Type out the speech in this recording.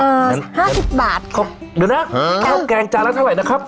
เอ่อห้าสิบบาทค่ะเดี๋ยวนะเอาแกงจานแล้วเท่าไหร่นะครับ